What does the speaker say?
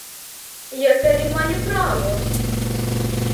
Яке він має право?